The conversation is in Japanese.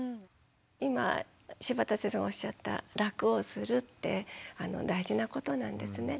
今柴田先生がおっしゃった楽をするって大事なことなんですね。